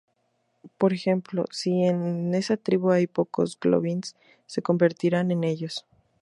Por ejemplo, si en esa tribu hay pocos goblins, se convertirán en ellos.